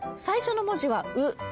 最初の文字は「う」